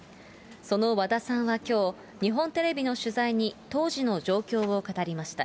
その和田さんはきょう、日本テレビの取材に、当時の状況を語りました。